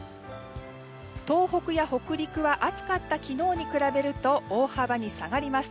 東北や北陸は暑かった昨日に比べると大幅に下がります。